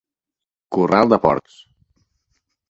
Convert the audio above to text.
Corral de porcs.